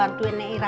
ngisir sendiri ya